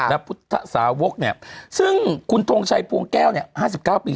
และพุทธสาวกซึ่งคุณทงชัยปวงแก้ว๕๙ปี